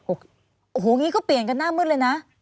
โอ้โหอย่างนี้ก็เปลี่ยนกันหน้ามืดเลยนะ